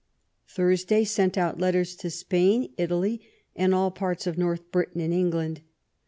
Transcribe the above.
Thursday sent out letters to Spain, Italy, and all parts of North Britain and England.